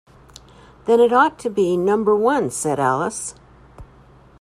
‘Then it ought to be Number One,’ said Alice.